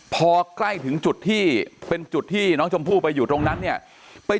พอใกล้ถึงจุดที่เป็นจุดที่น้องชมพู่ไปอยู่ตรงนั้นเนี่ย